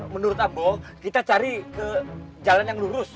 menurut abo kita cari ke jalan yang lurus